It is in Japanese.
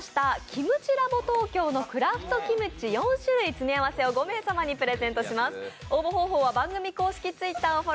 キムチラボトーキョーのクラフトキムチ４種類詰め合わせを５名様にプレゼントします。